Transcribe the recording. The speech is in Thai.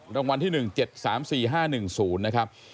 รางวัลที่๑๗๓๔๕๑๐นะครับ